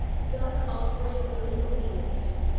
God calls for your willing obedience.